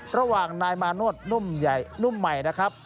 ระหว่างนายมานวดนุ่มใหม่นะครับ